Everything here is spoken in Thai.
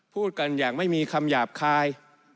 พูดกันอย่างไม่มีคำหยาบคาย